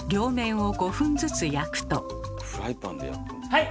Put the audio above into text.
はい！